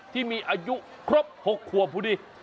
ที่มีอายุครบ๖ครัวพูดดี